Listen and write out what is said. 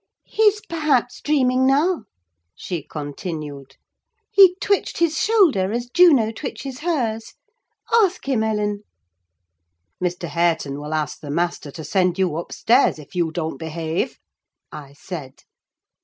"He's, perhaps, dreaming now," she continued. "He twitched his shoulder as Juno twitches hers. Ask him, Ellen." "Mr. Hareton will ask the master to send you upstairs, if you don't behave!" I said.